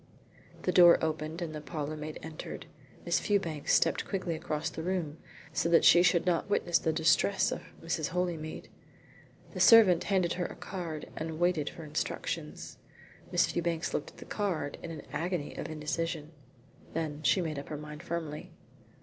The door opened and the parlourmaid entered. Miss Fewbanks stepped quickly across the room so that she should not witness the distress of Mrs. Holymead. The servant handed her a card and waited for instructions. Miss Fewbanks looked at the card in an agony of indecision. Then she made up her mind firmly.